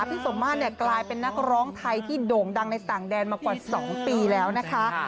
พี่สมมาตรเนี่ยกลายเป็นนักร้องไทยที่โด่งดังในต่างแดนมากว่า๒ปีแล้วนะคะ